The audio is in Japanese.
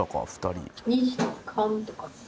２時半とか。